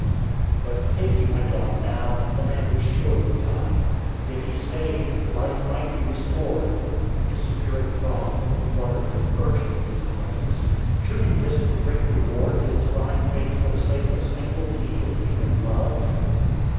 But if he went on now, the man would surely die. If he stayed, life might be restored. His spirit throbbed and fluttered with the urgency of the crisis. Should he risk the great reward of his divine faith for the sake of a single deed of human love?